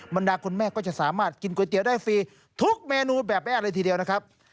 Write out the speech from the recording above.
ดาคุณแม่ก็จะสามารถกินก๋วยเตี๋ยวได้ฟรีทุกเมนูแบบแม่เลยทีเดียวนะครับ